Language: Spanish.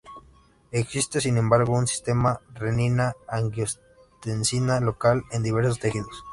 Existe sin embargo un sistema renina-angiotensina local en diversos tejidos.